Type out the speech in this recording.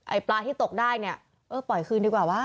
ปลาที่ตกได้เนี่ยเออปล่อยคืนดีกว่าวะ